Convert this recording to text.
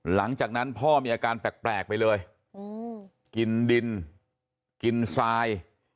หลังจากนั้นพ่อมีอาการแปลกไปเลยกินดินกินทราย